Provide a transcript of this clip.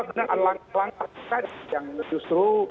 selangkah selangkah yang justru